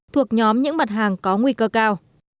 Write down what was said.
thuộc nhóm những mặt hàng có nguy cơ cao